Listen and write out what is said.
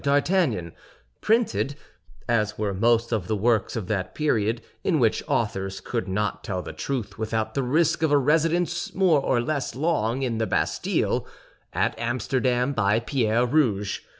d'Artagnan, printed—as were most of the works of that period, in which authors could not tell the truth without the risk of a residence, more or less long, in the Bastille—at Amsterdam, by Pierre Rouge.